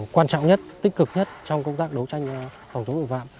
quan trọng nhất tích cực nhất trong công tác đấu tranh phòng chống tội phạm